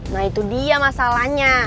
nah itu dia masalahnya